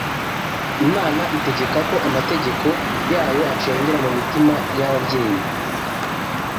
Imana itegeka ko amategeko yayo acengera mu mitima y’ababyeyi